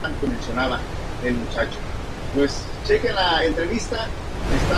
Su estilo muy visual y de vodevil era ideal para el nuevo medio.